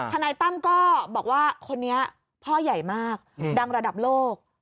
นายตั้มก็บอกว่าคนนี้พ่อใหญ่มากดังระดับโลก